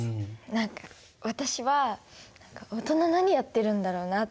何か私は大人何やってるんだろうなって。